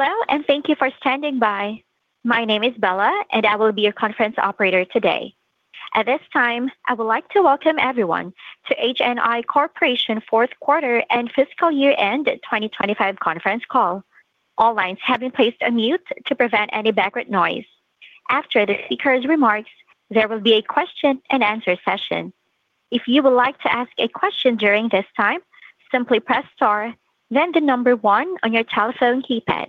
Hello. Thank you for standing by. My name is Bella. I will be your conference operator today. At this time, I would like to welcome everyone to HNI Corporation Fourth Quarter and Fiscal Year End 2025 conference call. All lines have been placed on mute to prevent any background noise. After the speakers' remarks, there will be a question-and-answer session. If you would like to ask a question during this time, simply press star, then 1 on your telephone keypad.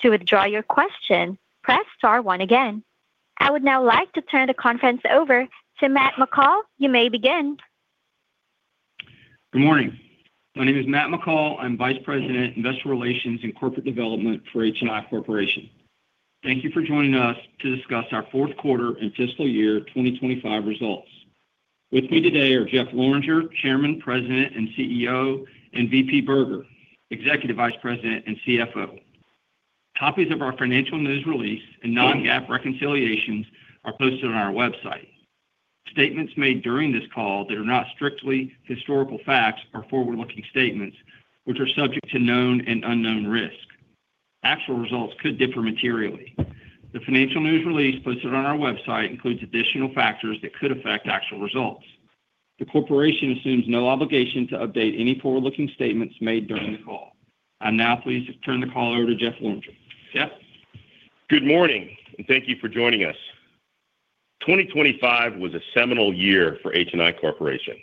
To withdraw your question, press star 1 again. I would now like to turn the conference over to Matt McCall. You may begin. Good morning. My name is Matt McCall. I'm Vice President, Investor Relations and Corporate Development for HNI Corporation. Thank you for joining us to discuss our fourth quarter and fiscal year 2025 results. With me today are Jeff Lorenger, Chairman, President, and CEO, and VP Berger, Executive Vice President and CFO. Copies of our financial news release and non-GAAP reconciliations are posted on our website. Statements made during this call that are not strictly historical facts or forward-looking statements, which are subject to known and unknown risks. Actual results could differ materially. The financial news release posted on our website includes additional factors that could affect actual results. The corporation assumes no obligation to update any forward-looking statements made during the call. I now please turn the call over to Jeff Lorenger. Jeff? Good morning, and thank you for joining us. 2025 was a seminal year for HNI Corporation.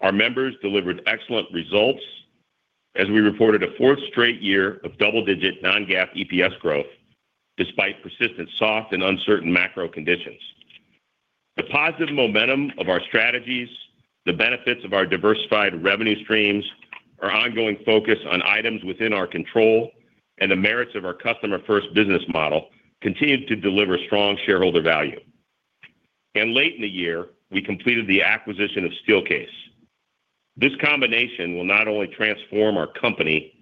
Our members delivered excellent results as we reported a fourth straight year of double-digit non-GAAP EPS growth, despite persistent, soft, and uncertain macro conditions. The positive momentum of our strategies, the benefits of our diversified revenue streams, our ongoing focus on items within our control, and the merits of our customer-first business model continued to deliver strong shareholder value. Late in the year, we completed the acquisition of Steelcase. This combination will not only transform our company,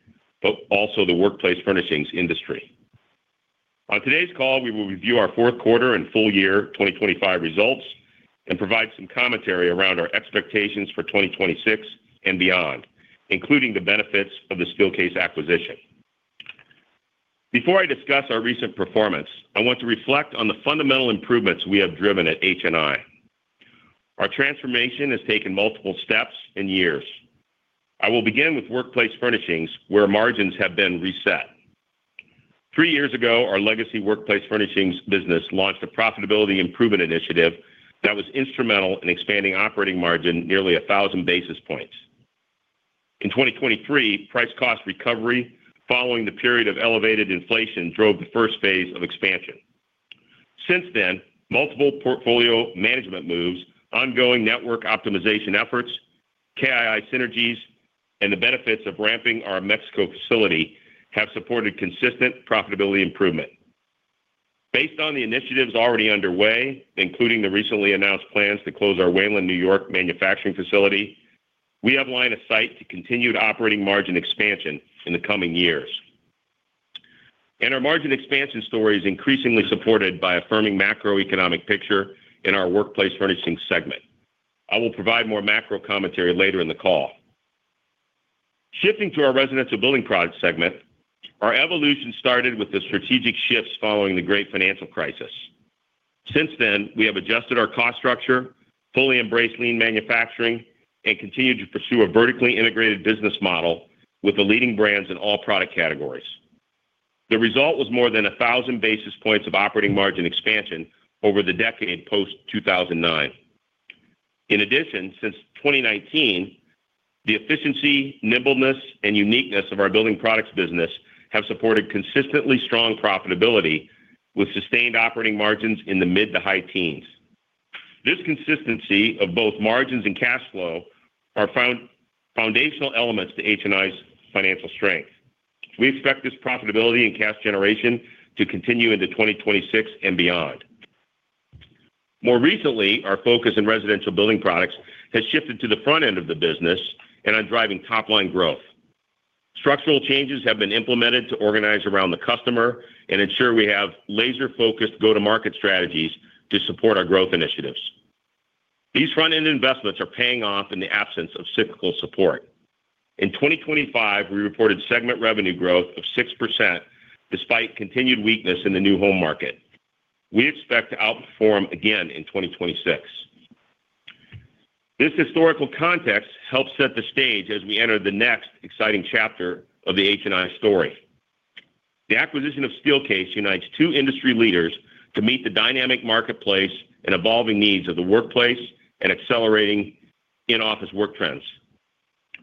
but also the Workplace Furnishings industry. On today's call, we will review our fourth quarter and full year 2025 results and provide some commentary around our expectations for 2026 and beyond, including the benefits of the Steelcase acquisition. Before I discuss our recent performance, I want to reflect on the fundamental improvements we have driven at HNI. Our transformation has taken multiple steps and years. I will begin with Workplace Furnishings, where margins have been reset. Three years ago, our legacy Workplace Furnishings business launched a profitability improvement initiative that was instrumental in expanding operating margin nearly 1,000 basis points. In 2023, price-cost recovery, following the period of elevated inflation, drove the first phase of expansion. Since then, multiple portfolio management moves, ongoing network optimization efforts, KII synergies, and the benefits of ramping our Mexico facility have supported consistent profitability improvement. Based on the initiatives already underway, including the recently announced plans to close our Wayland, New York, manufacturing facility, we have line of sight to continued operating margin expansion in the coming years. Our margin expansion story is increasingly supported by affirming macroeconomic picture in our Workplace Furnishings segment. I will provide more macro commentary later in the call. Shifting to our Residential Building Products segment, our evolution started with the strategic shifts following the great financial crisis. Since then, we have adjusted our cost structure, fully embraced lean manufacturing, and continued to pursue a vertically integrated business model with the leading brands in all product categories. The result was more than 1,000 basis points of operating margin expansion over the decade post-2009. In addition, since 2019, the efficiency, nimbleness, and uniqueness of our Building Products business have supported consistently strong profitability, with sustained operating margins in the mid-to-high teens. This consistency of both margins and cash flow are foundational elements to HNI's financial strength. We expect this profitability and cash generation to continue into 2026 and beyond. More recently, our focus in Residential Building Products has shifted to the front end of the business and on driving top-line growth. Structural changes have been implemented to organize around the customer and ensure we have laser-focused go-to-market strategies to support our growth initiatives. These front-end investments are paying off in the absence of cyclical support. In 2025, we reported segment revenue growth of 6%, despite continued weakness in the new home market. We expect to outperform again in 2026. This historical context helps set the stage as we enter the next exciting chapter of the HNI story. The acquisition of Steelcase unites two industry leaders to meet the dynamic marketplace and evolving needs of the workplace and accelerating in-office work trends.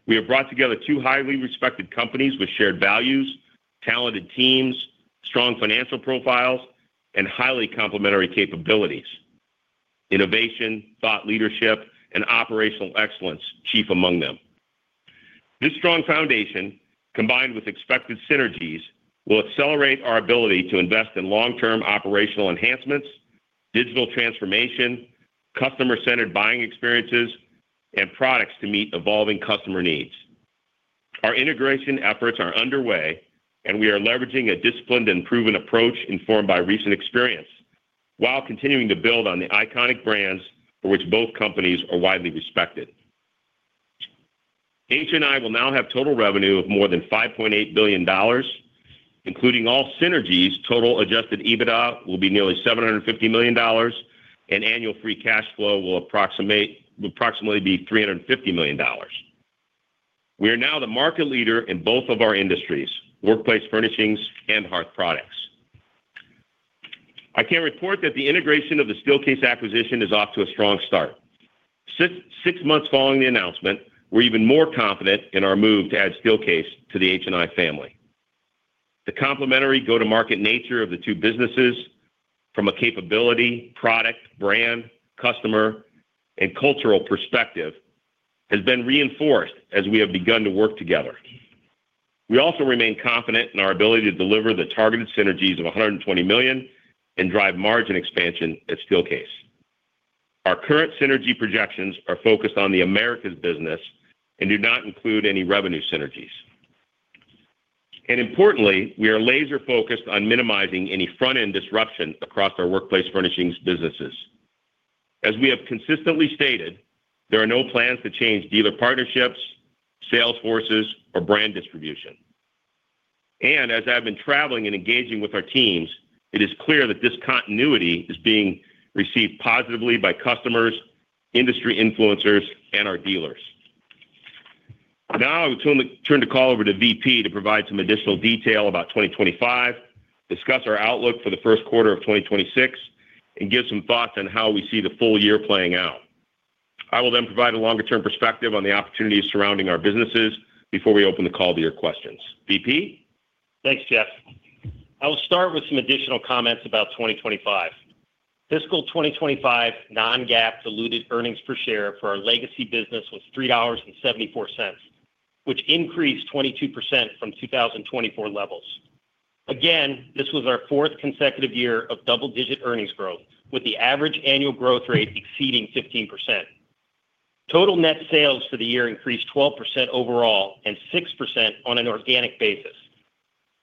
We have brought together two highly respected companies with shared values, talented teams, strong financial profiles, and highly complementary capabilities. Innovation, thought, leadership, and operational excellence, chief among them. This strong foundation, combined with expected synergies, will accelerate our ability to invest in long-term operational enhancements, digital transformation, customer-centered buying experiences, and products to meet evolving customer needs. Our integration efforts are underway. We are leveraging a disciplined and proven approach informed by recent experience, while continuing to build on the iconic brands for which both companies are widely respected. HNI will now have total revenue of more than $5.8 billion, including all synergies. Total adjusted EBITDA will be nearly $750 million, and annual free cash flow will approximately be $350 million. We are now the market leader in both of our industries, Workplace Furnishings and hearth products. I can report that the integration of the Steelcase acquisition is off to a strong start. Six months following the announcement, we're even more confident in our move to add Steelcase to the HNI family. The complementary go-to-market nature of the two businesses from a capability, product, brand, customer, and cultural perspective, has been reinforced as we have begun to work together. We also remain confident in our ability to deliver the targeted synergies of $120 million and drive margin expansion at Steelcase. Our current synergy projections are focused on the Americas business and do not include any revenue synergies. Importantly, we are laser-focused on minimizing any front-end disruption across our Workplace Furnishings businesses. As we have consistently stated, there are no plans to change dealer partnerships, sales forces, or brand distribution. As I've been traveling and engaging with our teams, it is clear that this continuity is being received positively by customers, industry influencers, and our dealers. Now, I will turn the call over to VP to provide some additional detail about 2025, discuss our outlook for the first quarter of 2026, and give some thoughts on how we see the full year playing out. I will then provide a longer-term perspective on the opportunities surrounding our businesses before we open the call to your questions. VP? Thanks, Jeff. I will start with some additional comments about 2025. Fiscal 2025 non-GAAP diluted earnings per share for our legacy business was $3.74, which increased 22% from 2024 levels. Again, this was our fourth consecutive year of double-digit earnings growth, with the average annual growth rate exceeding 15%. Total net sales for the year increased 12% overall and 6% on an organic basis.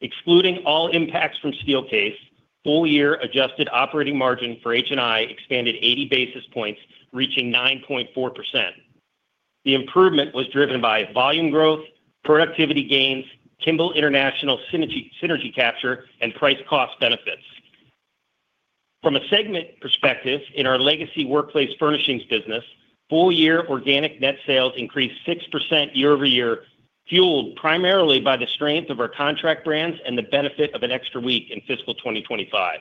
Excluding all impacts from Steelcase, full-year adjusted operating margin for HNI expanded 80 basis points, reaching 9.4%. The improvement was driven by volume growth, productivity gains, Kimball International synergy capture, and price cost benefits. From a segment perspective, in our legacy Workplace Furnishings business, full-year organic net sales increased 6% year-over-year, fueled primarily by the strength of our contract brands and the benefit of an extra week in fiscal 2025.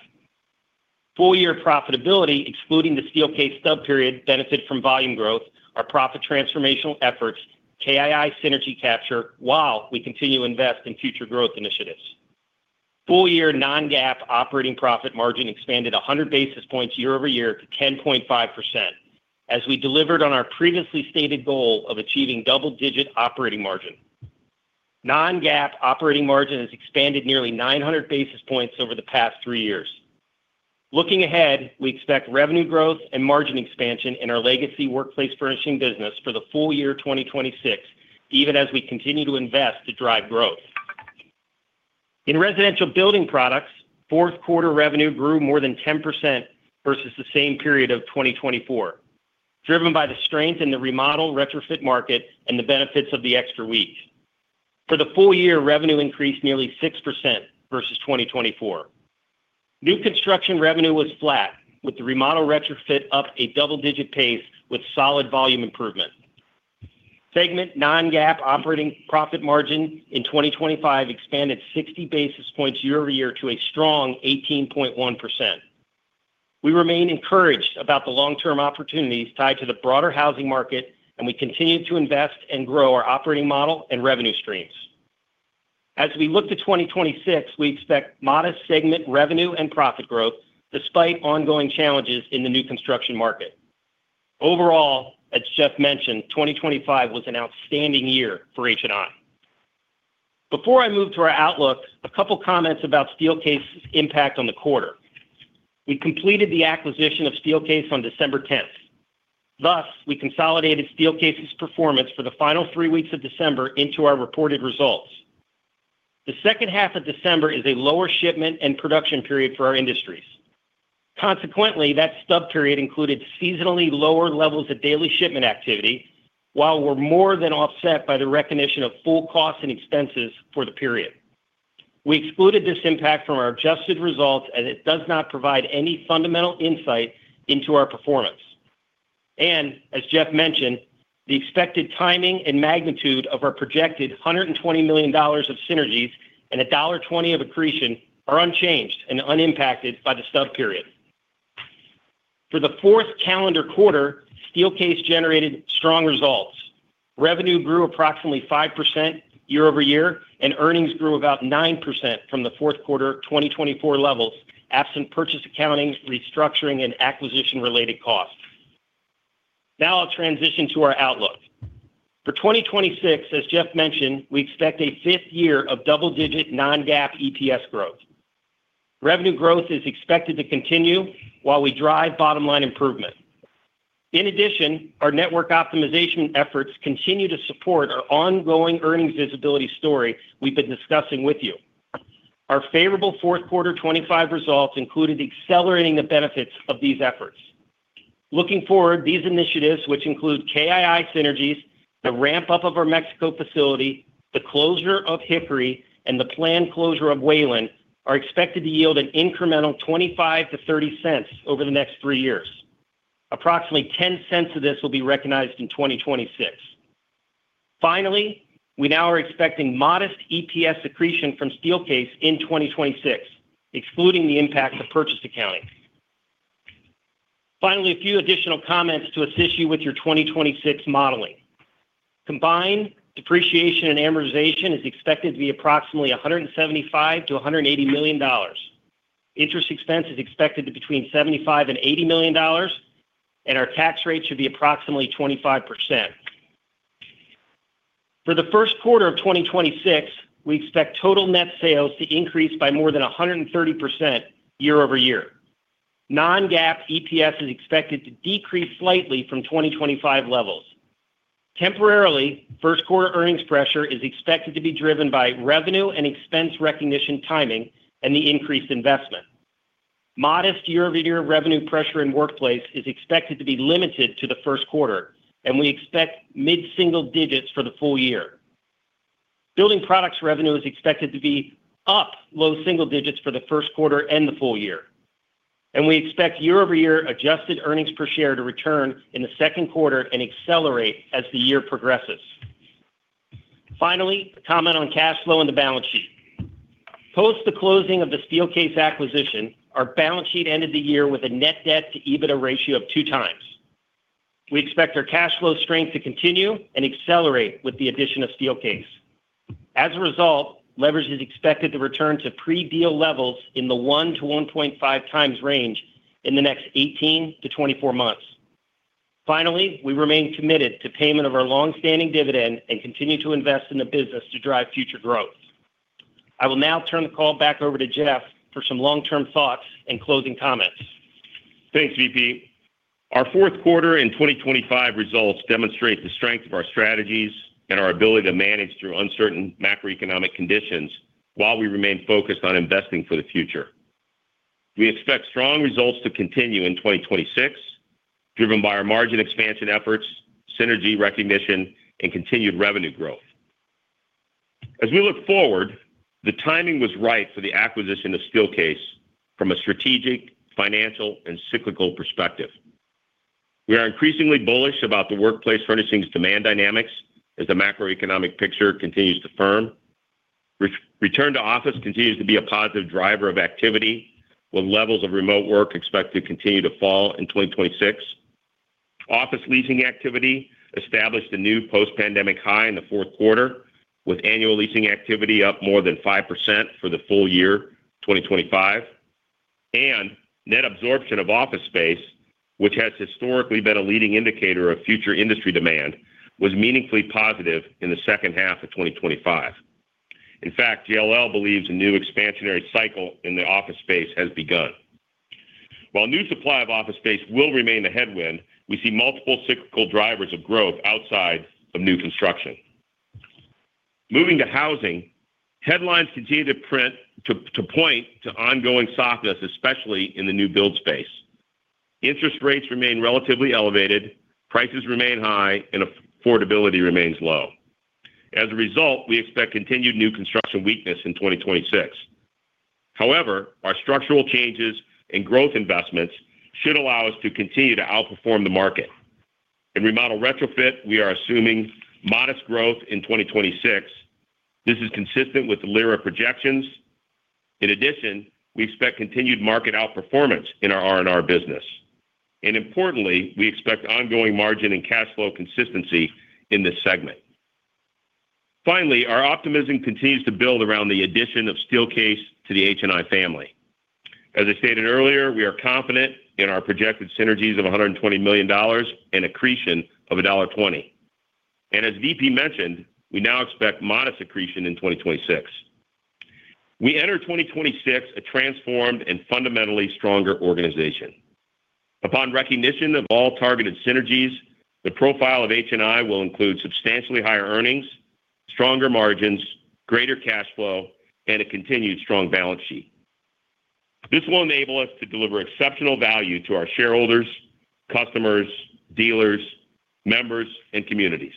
Full-year profitability, excluding the Steelcase stub period, benefited from volume growth, our profit transformational efforts, KII synergy capture, while we continue to invest in future growth initiatives. Full-year non-GAAP operating profit margin expanded 100 basis points year-over-year to 10.5%, as we delivered on our previously stated goal of achieving double-digit operating margin. Non-GAAP operating margin has expanded nearly 900 basis points over the past three years. Looking ahead, we expect revenue growth and margin expansion in our legacy Workplace Furnishings business for the full year 2026, even as we continue to invest to drive growth. In Residential Building Products, fourth quarter revenue grew more than 10% versus the same period of 2024, driven by the strength in the remodel-retrofit market and the benefits of the extra week. For the full year, revenue increased nearly 6% versus 2024. New construction revenue was flat, with the remodel-retrofit up a double-digit pace with solid volume improvement. Segment non-GAAP operating profit margin in 2025 expanded 60 basis points year-over-year to a strong 18.1%. We remain encouraged about the long-term opportunities tied to the broader housing market, and we continue to invest and grow our operating model and revenue streams. As we look to 2026, we expect modest segment revenue and profit growth, despite ongoing challenges in the new construction market. Overall, as Jeff mentioned, 2025 was an outstanding year for HNI. Before I move to our outlook, a couple of comments about Steelcase's impact on the quarter. We completed the acquisition of Steelcase on December 10th, thus, we consolidated Steelcase's performance for the final 3 weeks of December into our reported results. The second half of December is a lower shipment and production period for our industries. Consequently, that stub period included seasonally lower levels of daily shipment activity, while we're more than offset by the recognition of full costs and expenses for the period. We excluded this impact from our adjusted results, as it does not provide any fundamental insight into our performance. As Jeff mentioned, the expected timing and magnitude of our projected $120 million of synergies and $1.20 of accretion are unchanged and unimpacted by the stub period. For the 4th calendar quarter, Steelcase generated strong results. Revenue grew approximately 5% year-over-year, and earnings grew about 9% from the 4th quarter 2024 levels, absent purchase accounting, restructuring, and acquisition-related costs. I'll transition to our outlook. For 2026, as Jeff mentioned, we expect a 5th year of double-digit non-GAAP EPS growth. Revenue growth is expected to continue while we drive bottom-line improvement. Our network optimization efforts continue to support our ongoing earnings visibility story we've been discussing with you. Our favorable 4th quarter '25 results included accelerating the benefits of these efforts. These initiatives, which include KII synergies, the ramp-up of our Mexico facility, the closure of Hickory, and the planned closure of Wayland, are expected to yield an incremental $0.25-$0.30 over the next 3 years. Approximately $0.10 of this will be recognized in 2026. Finally, we now are expecting modest EPS accretion from Steelcase in 2026, excluding the impact of purchase accounting. A few additional comments to assist you with your 2026 modeling. Combined depreciation and amortization is expected to be approximately $175 million-$180 million. Interest expense is expected to between $75 million and $80 million. Our tax rate should be approximately 25%. For the first quarter of 2026, we expect total net sales to increase by more than 130% year-over-year. Non-GAAP EPS is expected to decrease slightly from 2025 levels. Temporarily, first quarter earnings pressure is expected to be driven by revenue and expense recognition, timing, and the increased investment. Modest year-over-year revenue pressure in Workplace is expected to be limited to the first quarter. We expect mid-single digits for the full year. Building Products revenue is expected to be up low single digits for the first quarter and the full year. We expect year-over-year adjusted earnings per share to return in the second quarter and accelerate as the year progresses. Finally, a comment on cash flow and the balance sheet. Post the closing of the Steelcase acquisition, our balance sheet ended the year with a net debt to EBITDA ratio of 2 times. We expect our cash flow strength to continue and accelerate with the addition of Steelcase. As a result, leverage is expected to return to pre-deal levels in the 1-1.5 times range in the next 18-24 months. We remain committed to payment of our long-standing dividend and continue to invest in the business to drive future growth. I will now turn the call back over to Jeff for some long-term thoughts and closing comments. Thanks, VP. Our fourth quarter in 2025 results demonstrate the strength of our strategies and our ability to manage through uncertain macroeconomic conditions while we remain focused on investing for the future. We expect strong results to continue in 2026, driven by our margin expansion efforts, synergy recognition, and continued revenue growth. As we look forward, the timing was right for the acquisition of Steelcase from a strategic, financial, and cyclical perspective. We are increasingly bullish about the Workplace Furnishings demand dynamics as the macroeconomic picture continues to firm. Return to office continues to be a positive driver of activity, with levels of remote work expected to continue to fall in 2026. Office leasing activity established a new post-pandemic high in the fourth quarter, with annual leasing activity up more than 5% for the full year, 2025. Net absorption of office space, which has historically been a leading indicator of future industry demand, was meaningfully positive in the second half of 2025. In fact, JLL believes a new expansionary cycle in the office space has begun. While new supply of office space will remain a headwind, we see multiple cyclical drivers of growth outside of new construction. Moving to housing, headlines continue to point to ongoing softness, especially in the new build space. Interest rates remain relatively elevated, prices remain high, and affordability remains low. As a result, we expect continued new construction weakness in 2026. However, our structural changes and growth investments should allow us to continue to outperform the market. In Remodel Retrofit, we are assuming modest growth in 2026. This is consistent with the LIRA projections. In addition, we expect continued market outperformance in our R&R business, and importantly, we expect ongoing margin and cash flow consistency in this segment. Finally, our optimism continues to build around the addition of Steelcase to the HNI family. As I stated earlier, we are confident in our projected synergies of $120 million and accretion of $1.20. As VP mentioned, we now expect modest accretion in 2026. We enter 2026 a transformed and fundamentally stronger organization. Upon recognition of all targeted synergies, the profile of HNI will include substantially higher earnings, stronger margins, greater cash flow, and a continued strong balance sheet. This will enable us to deliver exceptional value to our shareholders, customers, dealers, members, and communities.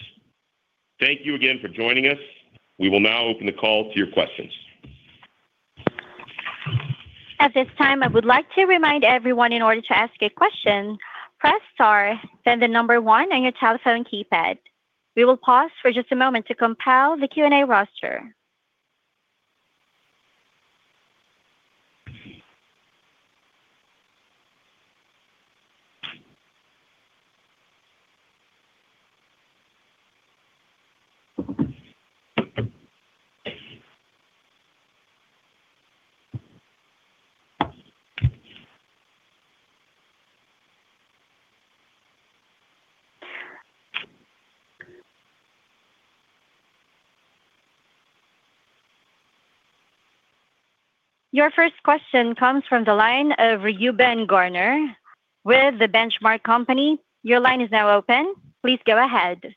Thank you again for joining us. We will now open the call to your questions. At this time, I would like to remind everyone in order to ask a question, press star, then 1 on your telephone keypad. We will pause for just a moment to compile the Q&A roster. Your first question comes from the line of Reuben Garner with The Benchmark Company. Your line is now open. Please go ahead.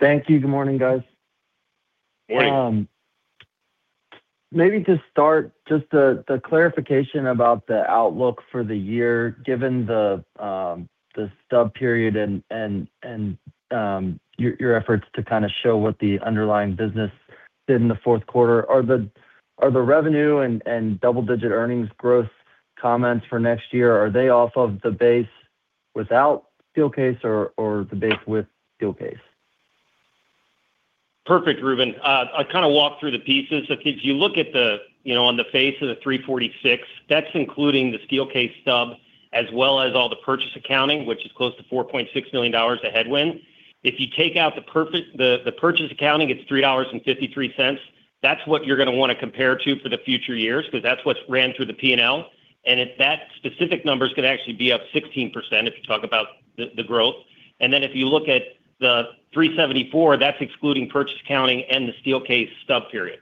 Thank you. Good morning, guys. Morning. Maybe to start, just the clarification about the outlook for the year, given the stub period and your efforts to kind of show what the underlying business did in the fourth quarter. Are the revenue and double-digit earnings growth comments for next year, are they off of the base without Steelcase or the base with Steelcase? Perfect, Ruben. I'll kind of walk through the pieces. If you look at the, you know, on the face of the $3.46, that's including the Steelcase stub, as well as all the purchase accounting, which is close to $4.6 million a headwind. If you take out the purchase accounting, it's $3.53. That's what you're gonna wanna compare to for the future years, 'cause that's what ran through the P&L. If that specific number is gonna actually be up 16%, if you talk about the growth. If you look at the $3.74, that's excluding purchase accounting and the Steelcase stub period.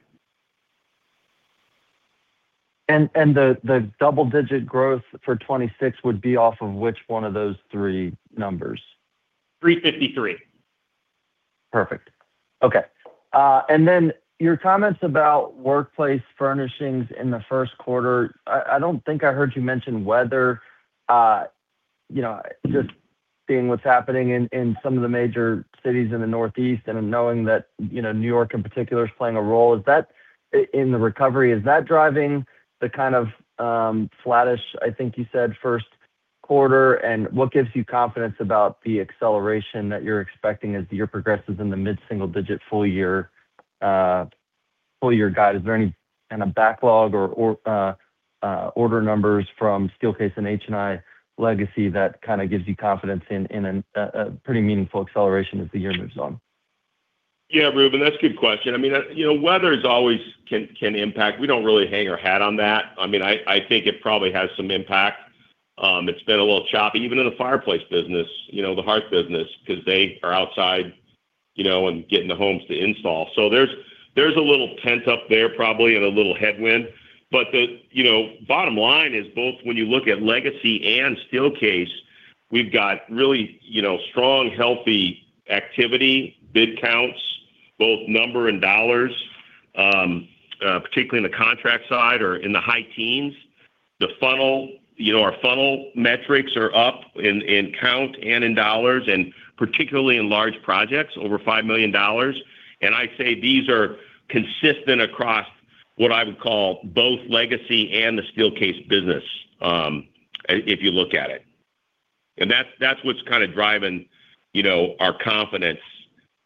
The double-digit growth for 26 would be off of which one of those three numbers? $3.53. Perfect. Okay. Your comments about Workplace Furnishings in the first quarter, I don't think I heard you mention whether, you know, just seeing what's happening in some of the major cities in the Northeast and knowing that, you know, New York in particular is playing a role, is that in the recovery, is that driving the kind of flattish, I think you said, first quarter? What gives you confidence about the acceleration that you're expecting as the year progresses in the mid-single digit, full year, full year guide? Is there any kind of backlog or order numbers from Steelcase and HNI legacy that kind of gives you confidence in a pretty meaningful acceleration as the year moves on? Yeah, Ruben, that's a good question. I mean, you know, weather is always can impact. We don't really hang our hat on that. I mean, I think it probably has some impact. It's been a little choppy, even in the fireplace business, you know, the hearth business, 'cause they are outside, you know, and getting the homes to install. There's a little tent up there, probably in a little headwind. The, you know, bottom line is, both when you look at Legacy and Steelcase, we've got really, you know, strong, healthy activity, bid counts, both number and dollars, particularly in the contract side or in the high teens. The funnel, you know, our funnel metrics are up in count and in dollars, and particularly in large projects, over $5 million. I'd say these are consistent across what I would call both Legacy and the Steelcase business, if you look at it. That's what's kind of driving, you know, our confidence,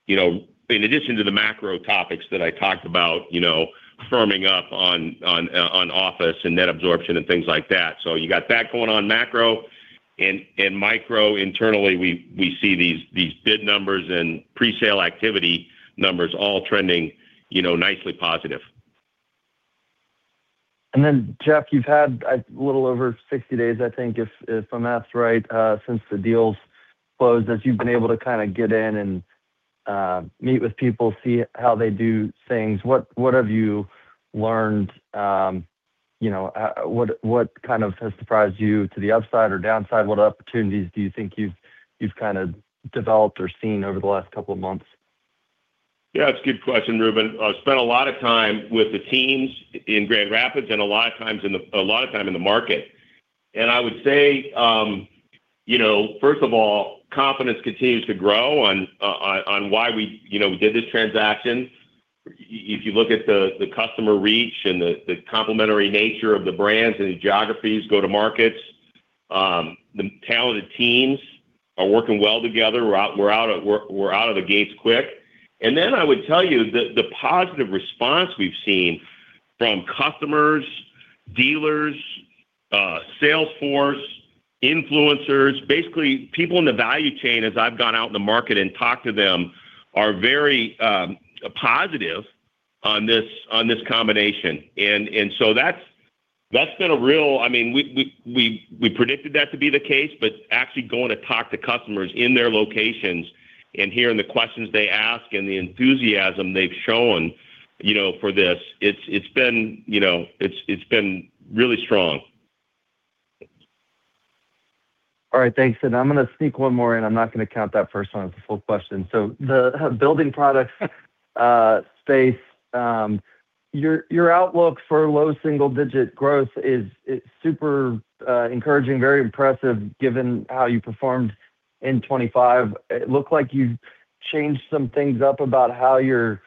you know, in addition to the macro topics that I talked about, you know, firming up on office and net absorption and things like that. You got that going on, macro, and micro, internally, we see these bid numbers and pre-sale activity numbers all trending, you know, nicely positive. Jeff, you've had a little over 60 days, I think, if my math's right, since the deal's closed, that you've been able to kinda get in and meet with people, see how they do things. What have you learned, you know, what kind of has surprised you to the upside or downside? What opportunities do you think you've kind of developed or seen over the last couple of months? Yeah, it's a good question, Ruben. I've spent a lot of time with the teams in Grand Rapids and a lot of time in the market. I would say, you know, first of all, confidence continues to grow on why we, you know, we did this transaction. If you look at the customer reach and the complementary nature of the brands and the geographies go to markets, the talented teams are working well together. We're out of the gates quick. I would tell you that the positive response we've seen from customers, dealers, sales force, influencers, basically, people in the value chain, as I've gone out in the market and talked to them, are very positive on this combination. That's been. I mean, we predicted that to be the case, but actually going to talk to customers in their locations and hearing the questions they ask and the enthusiasm they've shown, you know, for this, it's been, you know, it's been really strong. All right, thanks. I'm gonna sneak one more in. I'm not gonna count that first one as a full question. The space, your outlook for low single-digit growth is super encouraging, very impressive, given how you performed in 25. It looked like you changed some things up about how you're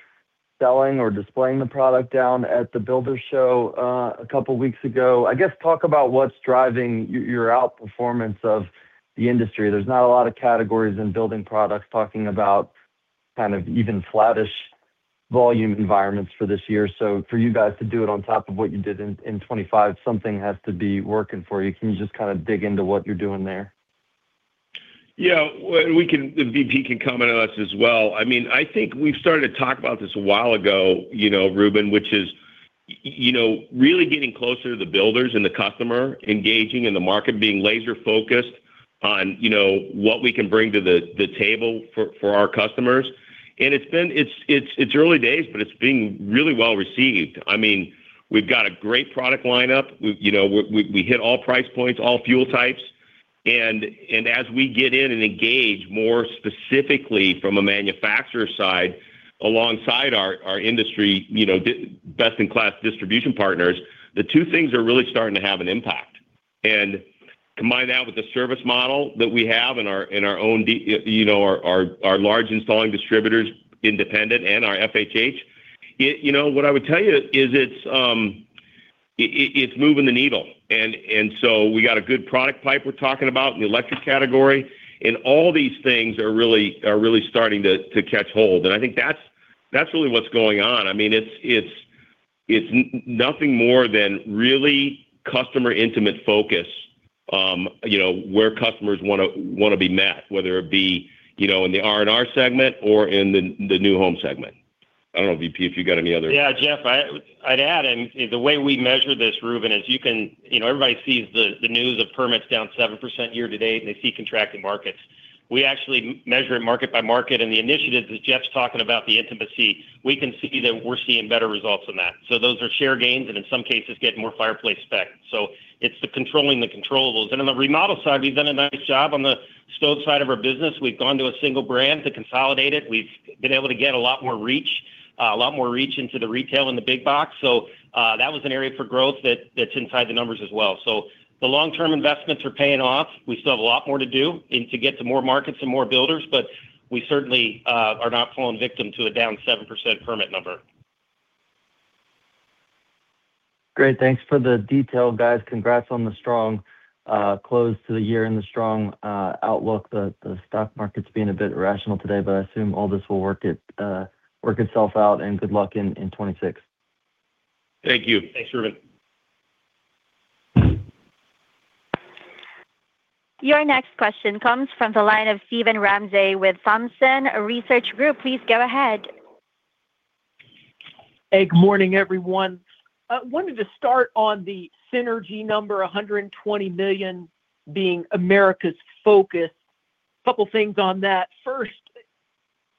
selling or displaying the product down at the Builder's Show a couple of weeks ago. I guess, talk about what's driving your outperformance of the industry. There's not a lot of categories in building products, talking about kind of even flattish volume environments for this year. For you guys to do it on top of what you did in 25, something has to be working for you. Can you just kind of dig into what you're doing there? Yeah, well, VP can comment on us as well. I mean, I think we've started to talk about this a while ago, you know, Ruben, which is, you know, really getting closer to the builders and the customer, engaging in the market, being laser-focused on, you know, what we can bring to the table for our customers. It's early days, but it's being really well received. I mean, we've got a great product lineup. We, you know, we hit all price points, all fuel types. As we get in and engage more specifically from a manufacturer side alongside our industry, you know, best-in-class distribution partners, the two things are really starting to have an impact. Combine that with the service model that we have in our, in our own, you know, our, our large installing distributors, independent and our FHH, it, you know, what I would tell you is it's moving the needle. We got a good product pipe we're talking about in the electric category, and all these things are really starting to catch hold. I think that's really what's going on. I mean, it's nothing more than really customer intimate focus, you know, where customers wanna be met, whether it be, you know, in the R&R segment or in the new home segment. I don't know, VP, if you got any other... Yeah, Jeff, I'd add, the way we measure this, Reuben, is you know, everybody sees the news of permits down 7% year to date. They see contracting markets. We actually measure it market by market. The initiatives that Jeff's talking about, the intimacy, we can see that we're seeing better results on that. Those are share gains. In some cases, getting more fireplace spec. It's the controlling the controllables. On the remodel side, we've done a nice job on the stove side of our business. We've gone to a single brand to consolidate it. We've been able to get a lot more reach into the retail and the big box. That was an area for growth that's inside the numbers as well. The long-term investments are paying off. We still have a lot more to do and to get to more markets and more builders, but we certainly are not falling victim to a down 7% permit number. Great. Thanks for the detail, guys. Congrats on the strong close to the year and the strong outlook. The stock market's being a bit irrational today, but I assume all this will work itself out, and good luck in 2026. Thank you. Thanks, Ruben. Your next question comes from the line of Steven Ramsey with Thompson Research Group. Please go ahead. Hey, good morning, everyone. I wanted to start on the synergy number, $120 million being America's focus. Couple things on that. First,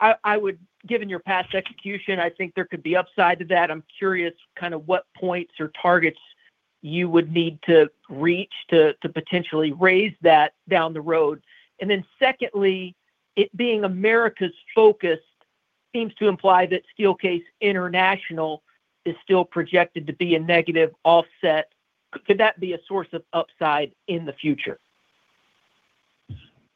I would given your past execution, I think there could be upside to that. I'm curious kind of what points or targets you would need to reach to potentially raise that down the road. Secondly, it being America's focus seems to imply that Steelcase international is still projected to be a negative offset. Could that be a source of upside in the future?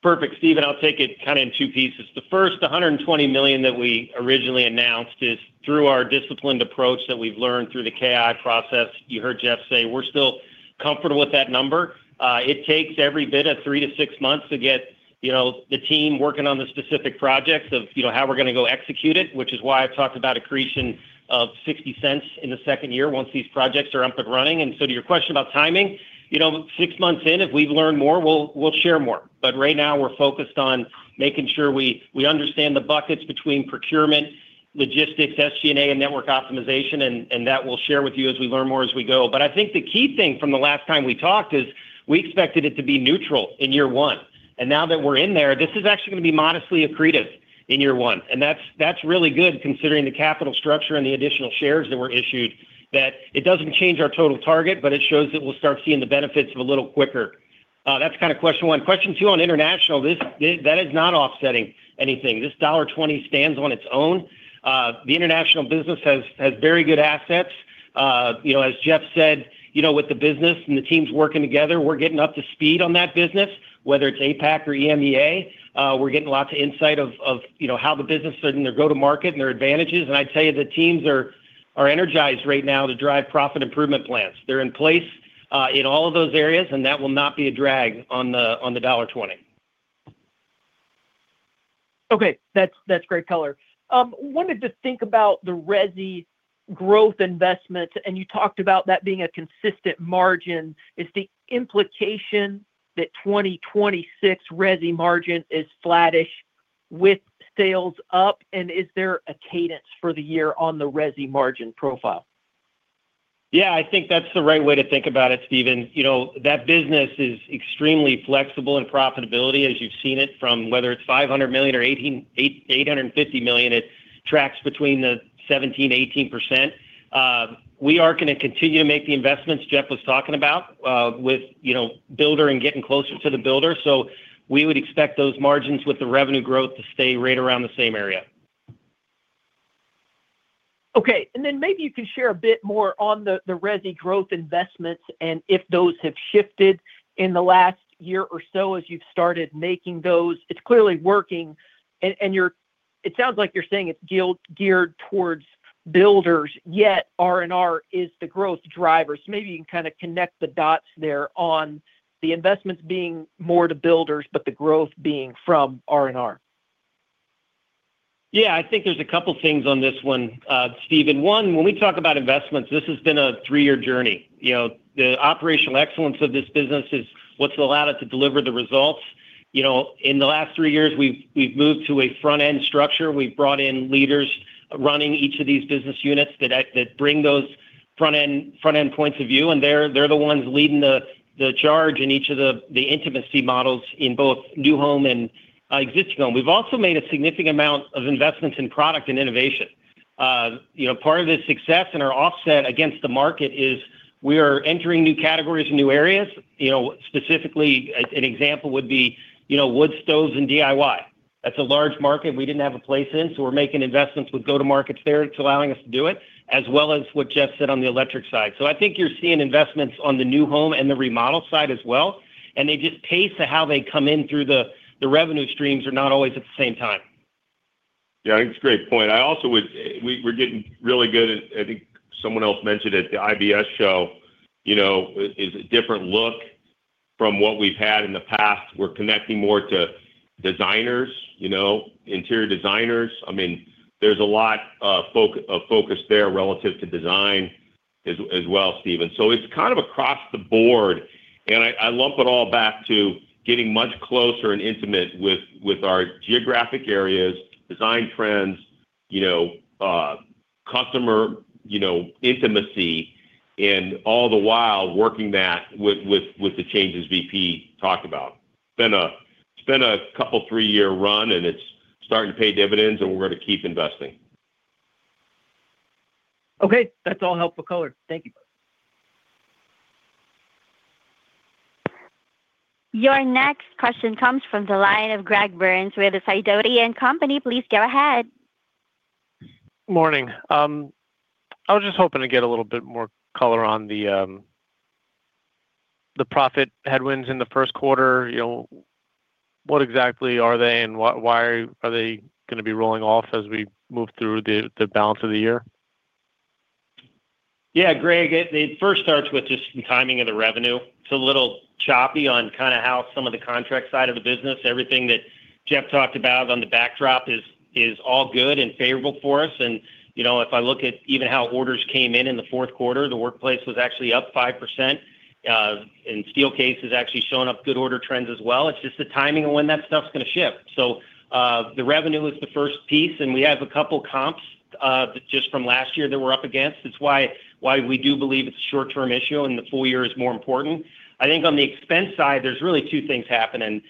Perfect, Steven. I'll take it kind of in 2 pieces. The first, the $120 million that we originally announced is through our disciplined approach that we've learned through the KI process. You heard Jeff say we're still comfortable with that number. It takes every bit of 3-6 months to get, you know, the team working on the specific projects of, you know, how we're going to go execute it, which is why I've talked about accretion of $0.60 in the 2nd year once these projects are up and running. To your question about timing, you know, 6 months in, if we've learned more, we'll share more. Right now, we're focused on making sure we understand the buckets between procurement, logistics, SG&A, and network optimization, and that we'll share with you as we learn more as we go. I think the key thing from the last time we talked is we expected it to be neutral in year one. Now that we're in there, this is actually going to be modestly accretive in year one. That's really good, considering the capital structure and the additional shares that were issued, that it doesn't change our total target, but it shows that we'll start seeing the benefits of a little quicker. That's kind of question one. Question two on international, this, that is not offsetting anything. This $1.20 stands on its own. The international business has very good assets. You know, as Jeff said, you know, with the business and the teams working together, we're getting up to speed on that business, whether it's APAC or EMEA, we're getting lots of insight of, you know, how the business and their go-to-market and their advantages. I'd tell you, the teams are energized right now to drive profit improvement plans. They're in place in all of those areas, and that will not be a drag on the $1.20. Okay. That's great color. wanted to think about the resi growth investment, and you talked about that being a consistent margin. Is the implication that 2026 resi margin is flattish with sales up, and is there a cadence for the year on the resi margin profile? Yeah, I think that's the right way to think about it, Steven. You know, that business is extremely flexible in profitability, as you've seen it, from whether it's $500 million or $850 million, it tracks between the 17%, 18%. We are gonna continue to make the investments Jeff was talking about, with, you know, builder and getting closer to the builder. We would expect those margins with the revenue growth to stay right around the same area. Okay. Then maybe you can share a bit more on the resi growth investments and if those have shifted in the last year or so as you've started making those. It's clearly working and it sounds like you're saying it's geared towards builders, yet R&R is the growth driver. Maybe you can kind of connect the dots there on the investments being more to builders, but the growth being from R&R. Yeah, I think there's a couple of things on this one, Steven. One, when we talk about investments, this has been a 3-year journey. You know, the operational excellence of this business is what's allowed us to deliver the results. You know, in the last 3 years, we've moved to a front-end structure. We've brought in leaders running each of these business units that bring those front-end points of view, and they're the ones leading the charge in each of the intimacy models in both new home and existing home. We've also made a significant amount of investments in product and innovation. You know, part of this success and our offset against the market is we are entering new categories and new areas. You know, specifically, an example would be, you know, wood stoves and DIY. That's a large market we didn't have a place in, so we're making investments with go-to-markets there. It's allowing us to do it, as well as what Jeff said on the electric side. I think you're seeing investments on the new home and the remodel side as well, and they just pace to how they come in through the revenue streams are not always at the same time. Yeah, I think it's a great point. I also we're getting really good at I think someone else mentioned it, the IBS show, you know, is a different look from what we've had in the past. We're connecting more to designers, you know, interior designers. I mean, there's a lot of focus there relative to design as well, Steven. It's kind of across the board, and I lump it all back to getting much closer and intimate with our geographic areas, design trends, you know, customer, you know, intimacy, and all the while working that with the changes VP talked about. It's been a couple, 3-year run. It's starting to pay dividends. We're going to keep investing. That's all helpful color. Thank you. Your next question comes from the line of Greg Burns with Sidoti & Company. Please go ahead. Morning. I was just hoping to get a little bit more color on the profit headwinds in the first quarter. You know, what exactly are they, and why are they gonna be rolling off as we move through the balance of the year? Yeah, Greg, it first starts with just the timing of the revenue. It's a little choppy on kinda how some of the contract side of the business, everything that Jeff talked about on the backdrop is all good and favorable for us. You know, if I look at even how orders came in in the fourth quarter, the workplace was actually up 5%, and Steelcase is actually showing up good order trends as well. It's just the timing of when that stuff's gonna shift. The revenue is the first piece, and we have a couple comps just from last year that we're up against. It's why we do believe it's a short-term issue and the full year is more important. I think on the expense side, there's really two things happening.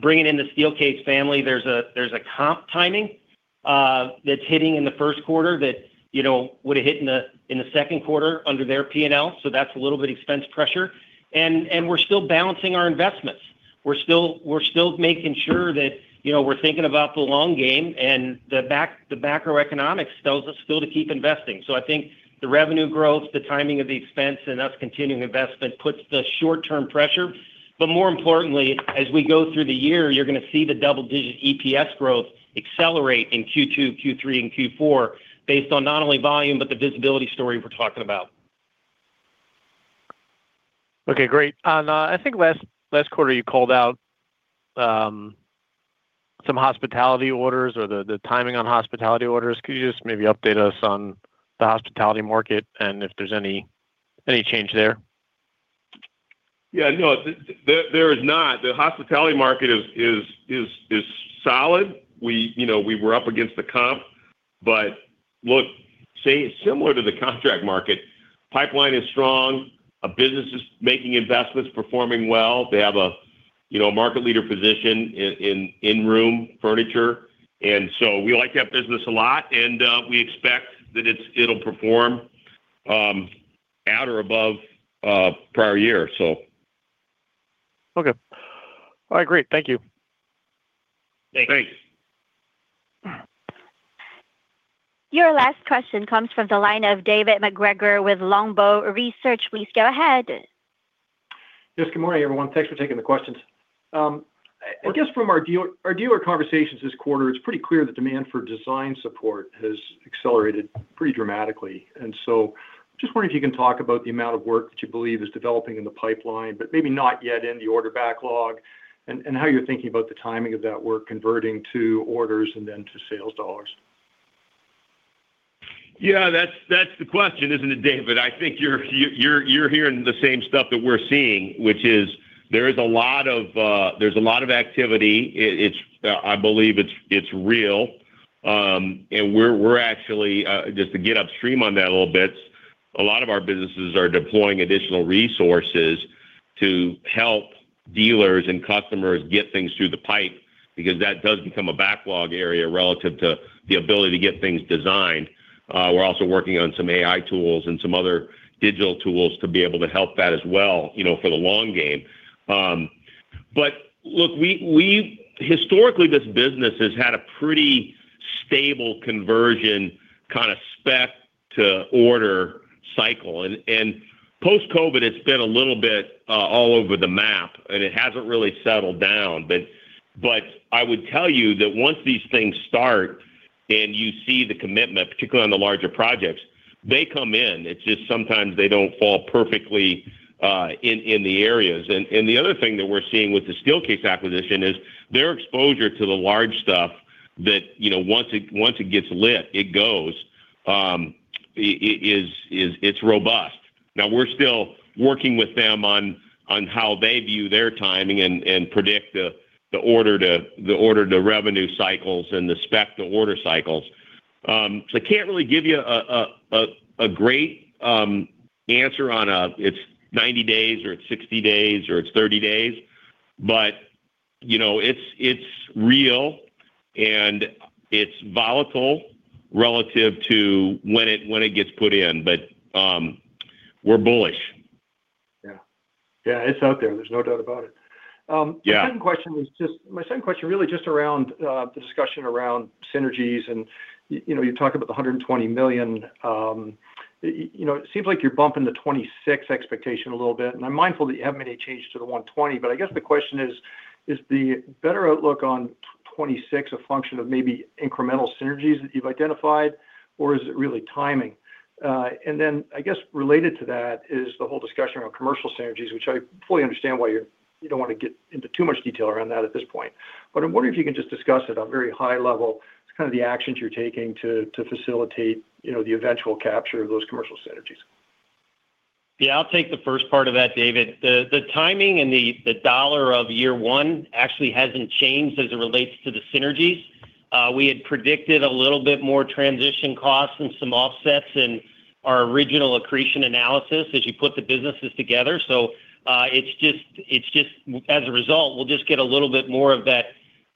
Bringing in the Steelcase family, there's a comp timing that's hitting in the first quarter that, you know, would have hit in the second quarter under their P&L, so that's a little bit expense pressure. We're still balancing our investments. We're still making sure that, you know, we're thinking about the long game, and the macroeconomics tells us still to keep investing. I think the revenue growth, the timing of the expense, and us continuing investment puts the short-term pressure. More importantly, as we go through the year, you're gonna see the double-digit EPS growth accelerate in Q2, Q3, and Q4 based on not only volume, but the visibility story we're talking about. Okay, great. I think last quarter, you called out, some hospitality orders or the timing on hospitality orders. Could you just maybe update us on the hospitality market and if there's any change there? No, there is not. The hospitality market is solid. We, you know, we were up against the comp, but look, similar to the contract market, pipeline is strong. A business is making investments, performing well. They have a, you know, market leader position in room furniture, and so we like that business a lot, and we expect that it'll perform at or above prior year, so. Okay. All right, great. Thank you. Thanks. Thanks. Your last question comes from the line of David MacGregor with Longbow Research. Please go ahead. Yes, good morning, everyone. Thanks for taking the questions. I guess from our dealer conversations this quarter, it's pretty clear that demand for design support has accelerated pretty dramatically. Just wondering if you can talk about the amount of work that you believe is developing in the pipeline, but maybe not yet in the order backlog, and how you're thinking about the timing of that work converting to orders and then to sales dollars? Yeah, that's the question, isn't it, David? I think you're hearing the same stuff that we're seeing, which is there is a lot of, there's a lot of activity. It's, I believe it's real, and we're actually just to get upstream on that a little bit, a lot of our businesses are deploying additional resources to help dealers and customers get things through the pipe because that does become a backlog area relative to the ability to get things designed. We're also working on some AI tools and some other digital tools to be able to help that as well, you know, for the long game. Look, we historically, this business has had a pretty stable conversion kind of spec to order cycle, and post-COVID, it's been a little bit all over the map, and it hasn't really settled down. I would tell you that once these things start and you see the commitment, particularly on the larger projects, they come in. It's just sometimes they don't fall perfectly in the areas. The other thing that we're seeing with the Steelcase acquisition is their exposure to the large stuff that, you know, once it gets lit, it goes, it's robust. We're still working with them on how they view their timing and predict the order to revenue cycles and the spec to order cycles. I can't really give you a great answer on a, it's 90 days or it's 60 days, or it's 30 days. You know, it's real and it's volatile relative to when it gets put in. We're bullish. Yeah. Yeah, it's out there. There's no doubt about it. Yeah. The second question, my second question really just around the discussion around synergies. You know, you talk about the $120 million, you know, it seems like you're bumping the 2026 expectation a little bit, and I'm mindful that you haven't made any change to the $120. I guess the question is: Is the better outlook on 2026 a function of maybe incremental synergies that you've identified, or is it really timing? I guess related to that is the whole discussion around commercial synergies, which I fully understand why you don't want to get into too much detail around that at this point. I'm wondering if you can just discuss it at a very high level, just kind of the actions you're taking to facilitate, you know, the eventual capture of those commercial synergies. Yeah, I'll take the first part of that, David. The timing and the $ of year 1 actually hasn't changed as it relates to the synergies. We had predicted a little bit more transition costs and some offsets in our original accretion analysis as you put the businesses together. It's just as a result, we'll just get a little bit more of that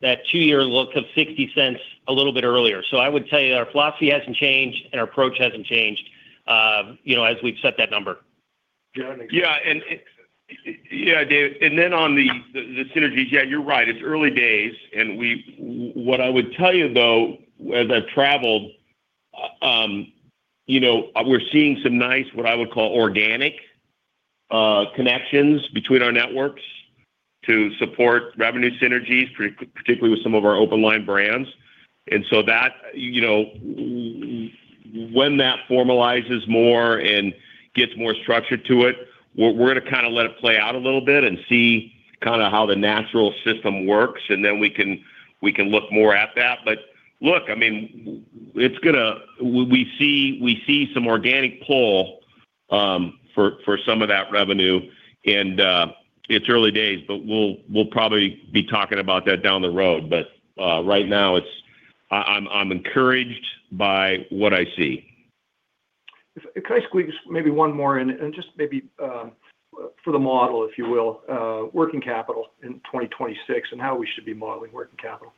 2-year look of $0.60 a little bit earlier. I would tell you that our philosophy hasn't changed, and our approach hasn't changed, you know, as we've set that number. Yeah. Yeah, David, on the synergies, yeah, you're right, it's early days. What I would tell you, though, as I've traveled, you know, we're seeing some nice, what I would call organic connections between our networks to support revenue synergies, particularly with some of our open line brands. That, you know, when that formalizes more and gets more structure to it, we're gonna kind of let it play out a little bit and see kind of how the natural system works. Then we can look more at that. Look, I mean, we see some organic pull for some of that revenue. It's early days, we'll probably be talking about that down the road. Right now, I'm encouraged by what I see. Can I squeeze maybe one more in? Just maybe, for the model, if you will, working capital in 2026 and how we should be modeling working capital.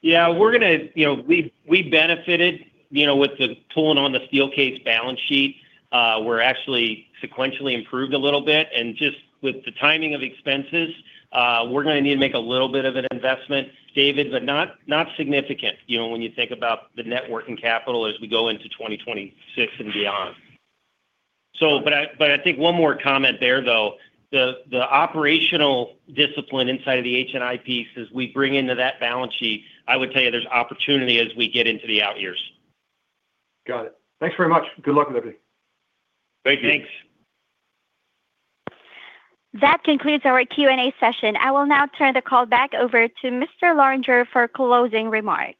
Yeah, we're gonna. You know, we benefited, you know, with the pulling on the Steelcase balance sheet. We're actually sequentially improved a little bit. Just with the timing of expenses, we're gonna need to make a little bit of an investment, David, but not significant, you know, when you think about the net working capital as we go into 2026 and beyond. But I think one more comment there, though, the operational discipline inside of the HNI piece, as we bring into that balance sheet, I would tell you there's opportunity as we get into the out years. Got it. Thanks very much. Good luck with everything. Thank you. Thanks. That concludes our Q&A session. I will now turn the call back over to Mr. Lorenger for closing remarks.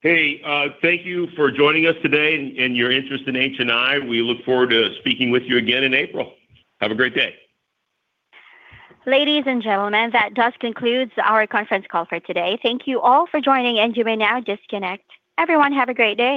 Hey, thank you for joining us today and your interest in HNI. We look forward to speaking with you again in April. Have a great day. Ladies and gentlemen, that does conclude our conference call for today. Thank you all for joining, and you may now disconnect. Everyone, have a great day.